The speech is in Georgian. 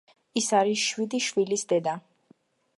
ის არის შვიდი შვილის დედა.